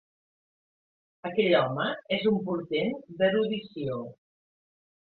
Aquell home és un portent d'erudició.